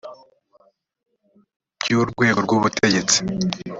byo rwego rw ubutegetsi